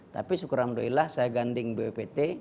tapi syukur alhamdulillah saya ganding bpbt